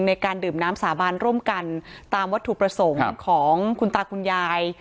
ในการดื่มน้ำสาบานร่วมกันตามวัตถุประสงค์ของคุณตาคุณยาย